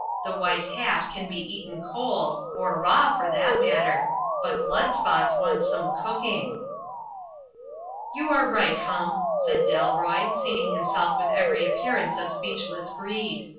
The White Hat can be eaten cold ' or raw, for that matter. But Blood spots wants some cooking." "You are right. Hump," said Dalroy, seating him self with every appearance of speechless greed.